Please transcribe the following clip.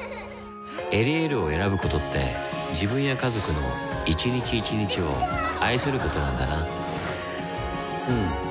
「エリエール」を選ぶことって自分や家族の一日一日を愛することなんだなうん。